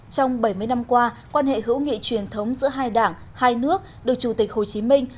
trong bảy mươi năm qua quan hệ hữu nghị truyền thống giữa hai đảng hai nước được chủ tịch hồ chí minh